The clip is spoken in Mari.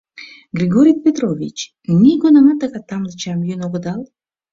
Григорий Петрович, нигунамат тыгай тамле чайым йӱын огыдал?